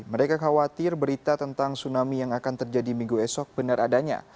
mereka khawatir berita tentang tsunami yang akan terjadi minggu esok benar adanya